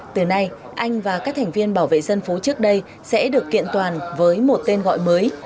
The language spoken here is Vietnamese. từ nay anh và các thành viên bảo vệ dân phố trước đây sẽ được kiện toàn với một tên gọi mới